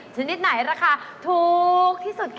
ชนิดไหนราคาถูกที่สุดคะ